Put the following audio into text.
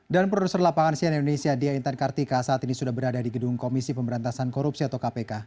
dan produser lapangan sian indonesia dea intan kartika saat ini sudah berada di gedung komisi pemberantasan korupsi atau kpk